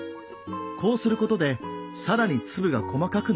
こうすることでさらに粒が細かくなります。